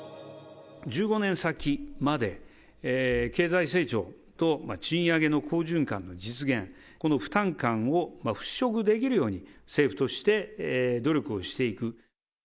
１５年先まで経済成長と賃上げの好循環の実現、この負担感を払拭できるように、政府として努力をしていく。